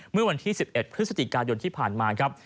เมื่อวันที่๑๑พฤศจิกายนที่ผ่านมาครับ